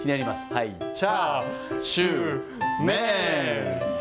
はい、チャーシューメン。